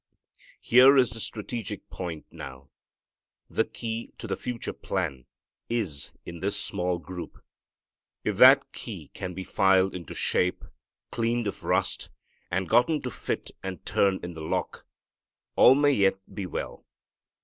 Here is the strategic point, now. The key to the future plan is in this small group. If that key can be filed into shape, cleaned of rust, and gotten to fit and turn in the lock, all may yet be well.